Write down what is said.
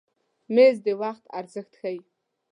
مېز د وخت ارزښت ښیي.